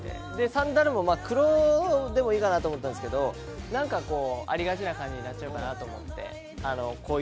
サンダルも黒でもいいかなと思ったんですけどなんかこうありがちな感じになっちゃうかなと思ってこういう色にして。